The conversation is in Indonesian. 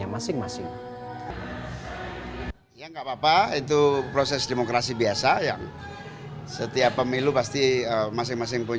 masa masa kita berada di jawa timur berjibus